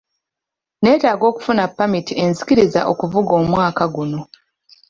Neetaaga okufuna ppamiti enzikiriza okuvuga omwaka guno.